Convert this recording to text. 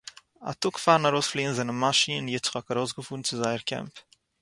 א טאג פאר'ן ארויספליען זענען מאשי און יצחק ארויסגעפארן צו זייערע קעמפּ